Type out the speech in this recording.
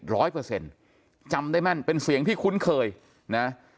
ร้อยเปอร์เซ็นต์จำได้แม่นเป็นเสียงที่คุ้นเคยนะ